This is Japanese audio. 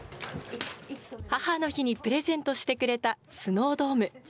母の日にプレゼントしてくれたスノードーム。